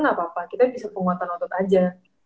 gak apa apa kita bisa penguatan otot aja